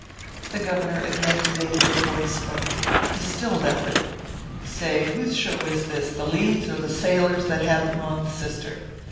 The Governor again debated before he spoke. He still doubted. "Say, whose show is this, the lead's or the sailor's that had the wronged sister?